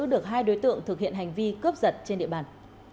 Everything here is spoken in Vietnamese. được hai đối tượng thực hiện hành vi cướp giật trên địa bàn